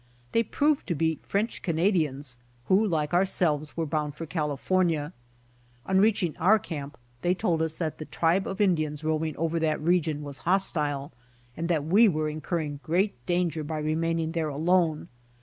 They proved to be French Canadians, who like ourselves were boand for California. On reaching our camp they told us that the tribe of Indians roaming over that region was hostile, and that we were incurring great danger by remaining there alone.